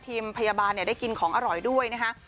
ทีมพยาบาลได้กินของอร่อยด้วยนะคะ